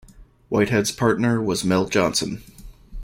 Whitehead's partner was Mel Johnson.